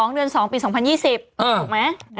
๒เดือน๒ปี๒๐๒๐ถูกไหม